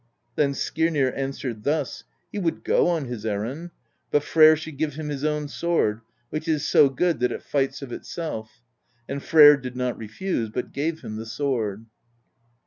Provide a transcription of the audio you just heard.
Then Skirnir answered thus: he would go on his er rand, but Freyr should give him his own sword — which is so good that it fights of itself; — and Freyr did not refuse, but gave him the sword.